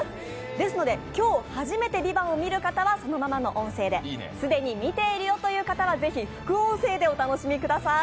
ですので今日初めて「ＶＩＶＡＮＴ」を見る方はそのままの音声で既に見ているよという方は是非副音声でお楽しみください。